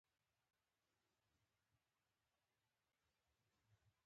هیلې مې د تېر وخت په ژوره کې ښخې شوې.